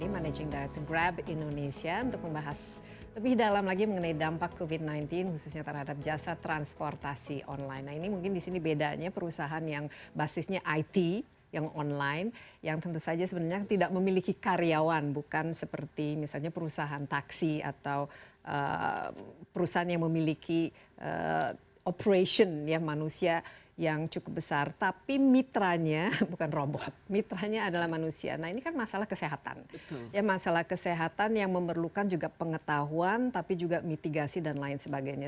masalah kesehatan yang memerlukan juga pengetahuan tapi juga mitigasi dan lain sebagainya